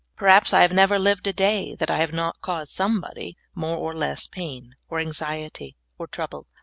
Perhaps I have never Hved a day that I have not caused somebody more or less pain, or anxiety, or trouble.